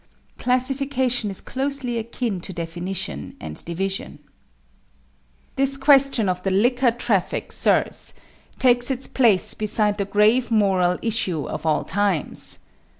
Classification is closely akin to Definition and Division. This question of the liquor traffic, sirs, takes its place beside the grave moral issues of all times.